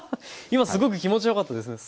今すごく気持ちよかったですね。